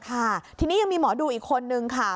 ค่ะทีนี้ยังมีหมอดูอีกคนนึงค่ะ